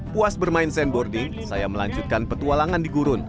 puas bermain sandboarding saya melanjutkan petualangan di gurun